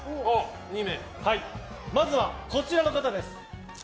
２名、まずはこちらの方です。